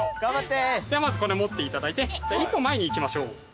ではまずこれ持っていただいて一歩前に行きましょう。